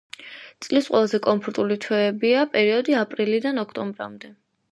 წლის ყველაზე კომფორტული თვეებია პერიოდი აპრილიდან ოქტომბრამდე.